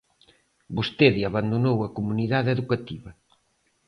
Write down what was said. Vostede abandonou a comunidade educativa.